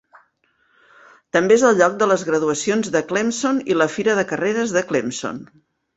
També és el lloc de les graduacions de Clemson i la Fira de Carreres de Clemson.